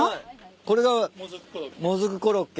これがもずくコロッケ。